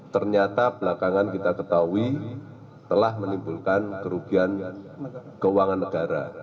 ternyata belakangan kita ketahui telah menimbulkan kerugian keuangan negara